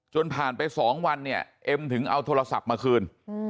ผ่านไป๒วันเนี่ยเอ็มถึงเอาโทรศัพท์มาคืน